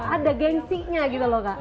ada gengsinya gitu loh kak